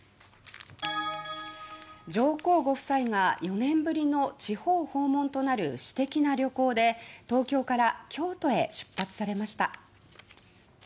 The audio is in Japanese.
上皇ご夫妻が４年ぶりの地方訪問となる私的な旅行で東京から京都へ出発されました。